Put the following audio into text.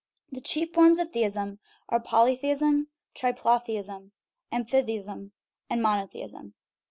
The chief forms of theism are polythe ism, triplotheism, amphitheism, and monotheism.